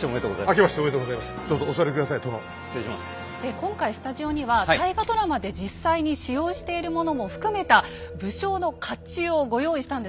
今回スタジオには大河ドラマで実際に使用しているものも含めた武将の甲冑をご用意したんです。